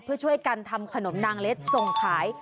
เพื่อช่วยกันทำขนมนางเล็ดส่งขาย